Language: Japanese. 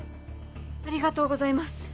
ありがとうございます